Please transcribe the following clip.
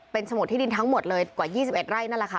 ฉมวดที่ดินทั้งหมดเลยกว่า๒๑ไร่นั่นแหละค่ะ